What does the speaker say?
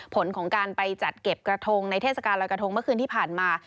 ผลของการไปจัดเก็บกระทงในเทศกาลรอยกระทงเมื่อคืนที่ผ่านมา